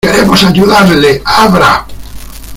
¡ queremos ayudarle! ¡ abra !